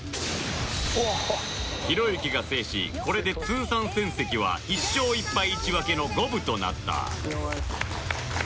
ひろゆきが制しこれで通算戦績は１勝１敗１分けの五分となった